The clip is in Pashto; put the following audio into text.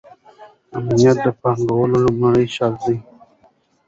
امنیت د پانګونې لومړنی شرط دی.